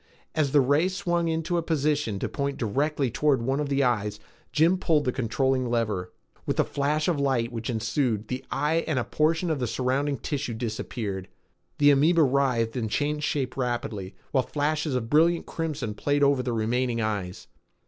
As the ray swung into a position to point directly toward one of the eyes, Jim pulled the controlling lever. With the flash of light which ensued, the eye and a portion of the surrounding tissue disappeared. The amoeba writhed and changed shape rapidly, while flashes of brilliant crimson played over the remaining eyes.